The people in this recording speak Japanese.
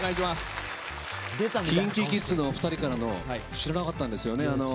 ＫｉｎＫｉＫｉｄｓのお二人からのメッセージ知らなかったんですよね。